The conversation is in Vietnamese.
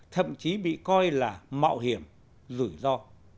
thậm chí bị coi là mạo hiểm rủi ro